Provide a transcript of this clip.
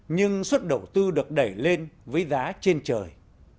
nhưng suất đầu tư được đẩy lên với giá trên trời